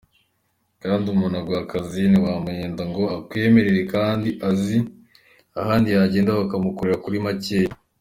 Kandi umuntu uguha akazi, ntiwamuhenda ngo akwemerere kandi azi ahandi yagenda bakamukorera kuri makeya.